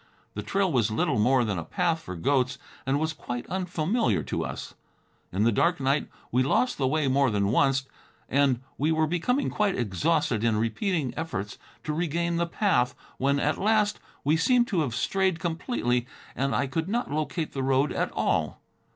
The trail was little more than a path for goats, and was quite unfamiliar to us. In the dark night, we lost the way more than once, and we were becoming quite exhausted in repeated efforts to regain the path, when, at last, we seemed to have strayed completely, and I could not locate the road at all.